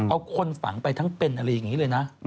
เอาคนฝังไปทั้งเป็นอะไรอย่างนี้เลยนะ